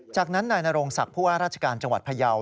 จากนั้นนายนโรงศักดิ์ผู้ว่าราชการจังหวัดพยาว